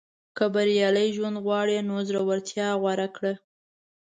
• که بریالی ژوند غواړې، نو زړورتیا غوره کړه.